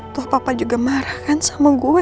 tuh papa juga marah kan sama gue